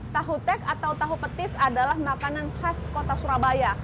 tahu tek atau tahu petis adalah makanan khas kota surabaya